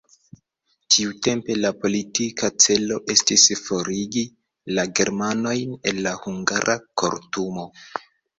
Tiutempe la politika celo estis forigi la germanojn el la hungara kortumo.